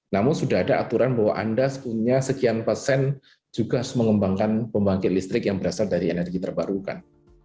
namun sudah ada aturan bahwa anda punya sekian persen juga harus mengembangkan pembangkit listrik yang berasal dari energi terbarukan